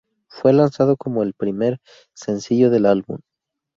Fue lanzado como el primer sencillo del álbum.